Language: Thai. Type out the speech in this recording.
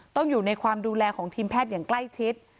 ต้องอยู่ในความดูแลของทีมแพทย์อย่างใกล้ชิด